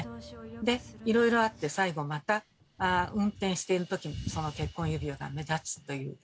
でいろいろあって最後また運転しているときもその結婚指輪が目立つという。